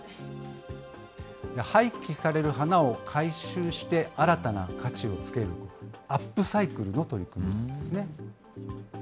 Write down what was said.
廃棄される花を回収して、新たな価値をつける、アップサイクルの取り組みですね。